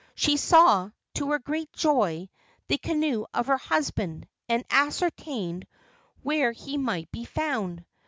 She saw, to her great joy, the canoe of her husband, and ascertained where he might be found.